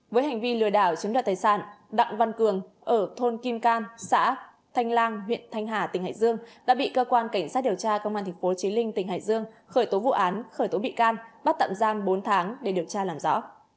với hành vi lừa đảo chiếm đoạt tài sản đặng văn cường ở thôn kim can xã thanh lang huyện thanh hà tỉnh hải dương đã bị cơ quan cảnh sát điều tra công an thị phố trí linh tỉnh hải dương khởi tố vụ án khởi tố bị can bắt tạm giam bốn tháng để điều tra làm rõ